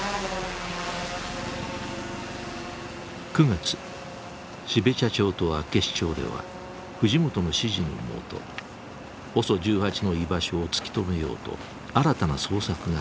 ９月標茶町と厚岸町では藤本の指示の下ＯＳＯ１８の居場所を突き止めようと新たな捜索が始まっていた。